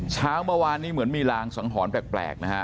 เช้าเมื่อวานนี้เหมือนมีรางสังหรณ์แปลกนะฮะ